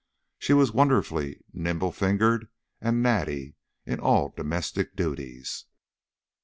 She was wonderfully nimble fingered and natty in all domestic duties.